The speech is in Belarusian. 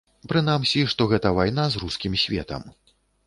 Прынамсі, што гэта вайна з рускім светам.